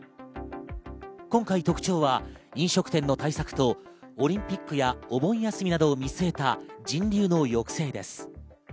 今回、特徴は飲食店の対策とオリンピックやお盆休みなどを見据えた人流の抑制です。